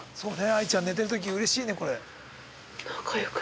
愛ちゃん寝てる時うれしいねこれ。